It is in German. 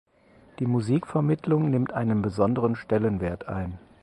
Die Musikvermittlung nimmt einen besonderen Stellenwert ein.